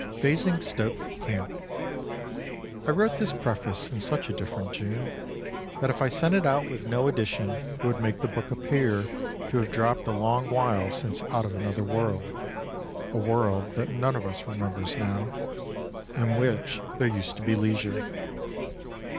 Basingstoke Camp. I WROTE this preface in such a different June, that if I sent it out with no addition it would make the book appear to have dropped a long while since out of another world, a world that none of us remembers now, in which there used to be leisure.